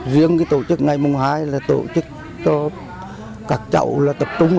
riêng cái tổ chức ngày mùng hai là tổ chức cho các chậu là tập trung